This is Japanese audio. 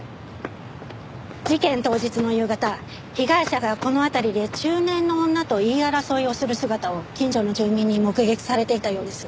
事件当日の夕方被害者がこの辺りで中年の女と言い争いをする姿を近所の住民に目撃されていたようです。